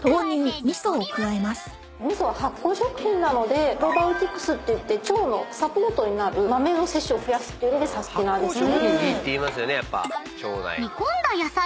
味噌は発酵食品なのでプロバイオティクスっていって腸のサポートになる豆の摂取を増やすっていうのでサスティナですね。